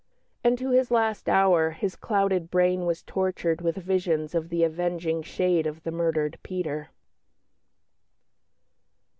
And to his last hour his clouded brain was tortured with visions of the "avenging shade of the murdered Peter."